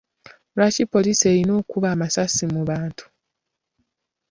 Lwaki poliisi erina okuba amasasi mu bantu.